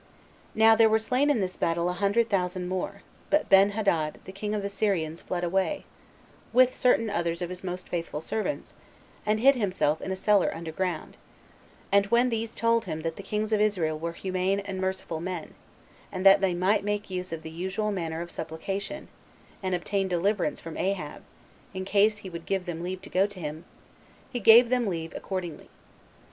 38 Now there were slain in this battle a hundred thousand more; but Benhadad, the king of the Syrians, fled away, with certain others of his most faithful servants, and hid himself in a cellar under ground; and when these told him that the kings of Israel were humane and merciful men, and that they might make use of the usual manner of supplication, and obtain deliverance from Ahab, in case he would give them leave to go to him, he gave them leave accordingly.